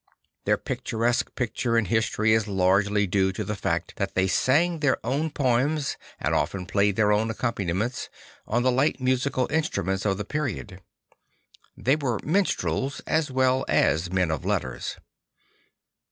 Their picturesque posture in history is largely due to the fact that they sang their own poems and often played their own accompaniments, on the light musical instruments of the period; they \vere minstrels as well as men of letters.